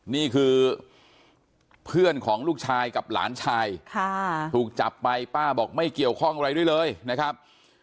นี่คือเพื่อนของลูกชายกับหลานชายถูกจับไปป้าบอกไม่เกี่ยวข้องอะไรด้วยเลยนะครับ